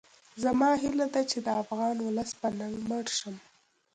زما هیله ده چې د افغان ولس په ننګ مړ شم